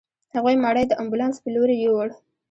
هغوی مړی د امبولانس په لورې يووړ.